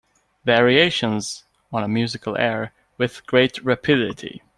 Variations (on a musical air) With great rapidity